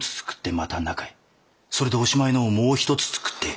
それでおしまいのをもう一つ作って。